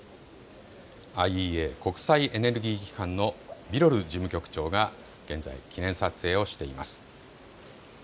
ＩＥＡ・国際エネルギー機関のビロル事務局長が現在、記念撮影をしています。